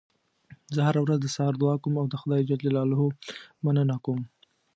زه هره ورځ د سهار دعا کوم او د خدای ج مننه کوم